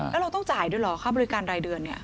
แล้วเราต้องจ่ายด้วยเหรอค่าบริการรายเดือนเนี่ย